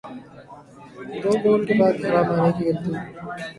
دو بول کے بعد حرا مانی کی غلطی